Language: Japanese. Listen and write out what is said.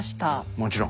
もちろん。